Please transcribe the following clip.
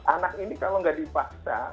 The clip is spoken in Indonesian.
anak ini kalau nggak dipaksa